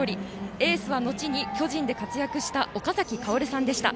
エースは、後に巨人で活躍した岡崎郁さんでした。